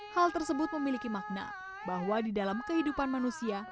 hal tersebut memiliki makna bahwa di dalam kehidupan manusia